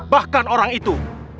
bahkan orang itu